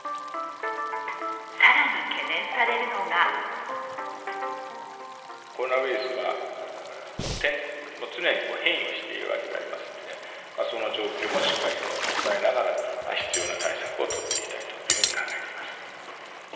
更に懸念されるのがコロナウイルスは常に変異をしているわけでありますのでその状況もしっかり押さえながら必要な対策を取っていきたいというふうに考えております。